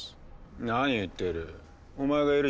何を言っている。